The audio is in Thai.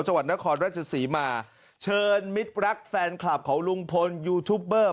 จังหวัดนครราชศรีมาเชิญมิตรรักแฟนคลับของลุงพลยูทูปเบอร์